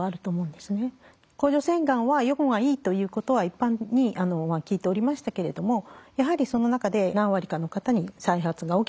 甲状腺がんは予後がいいということは一般に聞いておりましたけれどもやはりその中で何割かの方に再発が起きたりとか。